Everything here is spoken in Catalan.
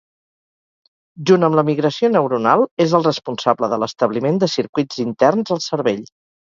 Junt amb la migració neuronal, és el responsable de l'establiment de circuits interns al cervell.